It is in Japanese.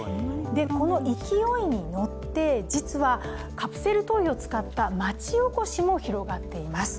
この勢いに乗って、実はカプセルトイを使った町おこしも広がっています。